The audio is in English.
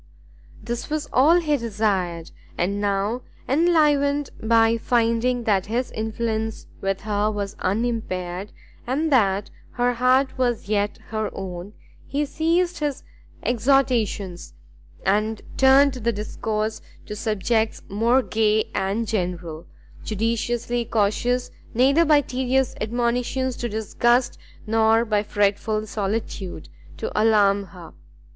This was all he desired; and now, enlivened by finding that his influence with her was unimpaired, and that her heart was yet her own, he ceased his exhortations, and turned the discourse to subjects more gay and general, judiciously cautious neither by tedious admonitions to disgust, nor by fretful solicitude to alarm her.